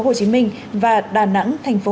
hồ chí minh và đà nẵng thành phố